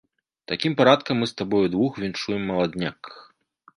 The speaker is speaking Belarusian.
Такім парадкам мы з табой удвух віншуем маладняк.